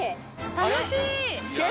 楽しい！